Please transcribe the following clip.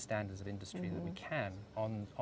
standar industri terbaik yang bisa